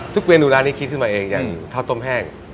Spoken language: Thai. เมนูร้านนี้คิดขึ้นมาเองอย่างข้าวต้มแห้ง